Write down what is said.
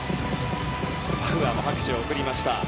バウアーも拍手を送りました。